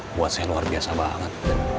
buat saya luar biasa banget